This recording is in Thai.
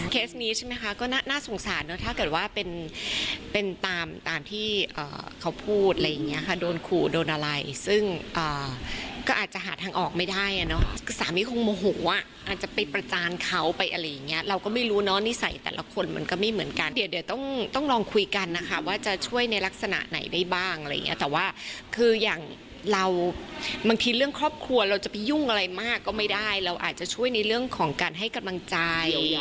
เคสนี้ใช่ไหมคะก็น่าสงสารเนอะถ้าเกิดว่าเป็นตามที่เขาพูดอะไรอย่างเงี้ยค่ะโดนขู่โดนอะไรซึ่งก็อาจจะหาทางออกไม่ได้อ่ะเนอะสามีคงโมโหอ่ะอาจจะไปประจานเขาไปอะไรอย่างเงี้ยเราก็ไม่รู้เนอะนิสัยแต่ละคนมันก็ไม่เหมือนกันเดี๋ยวต้องลองคุยกันนะคะว่าจะช่วยในลักษณะไหนได้บ้างอะไรอย่างเงี้ยแต่ว่าคืออย่างเราบางที